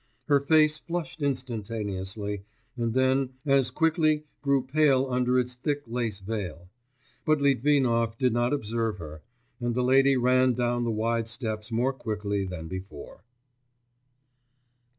Her face flushed instantaneously, and then as quickly grew pale under its thick lace veil; but Litvinov did not observe her, and the lady ran down the wide steps more quickly than before.